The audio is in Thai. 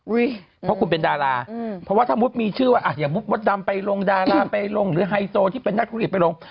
เพราะคุณเป็นดาราเพราะว่าถ้ามุติมีชื่อว่าอ่ะอย่างมุติมดดำไปลงดาราไปลงหรือไฮโซที่เป็นนักธุรกิจไปลง